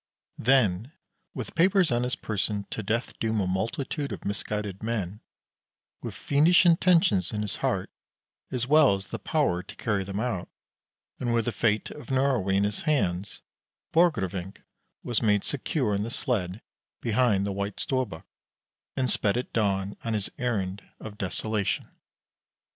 Then, with papers on his person to death doom a multitude of misguided men, with fiendish intentions in his heart as well as the power to carry them out, and with the fate of Norway in his hands, Borgrevinck was made secure in the sled, behind the White Storbuk, and sped at dawn on his errand of desolation.